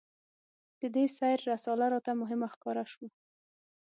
د دې سیر رساله راته مهمه ښکاره شوه.